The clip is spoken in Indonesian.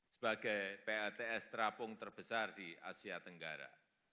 sebagai plts terapung terbesar di asia tenggara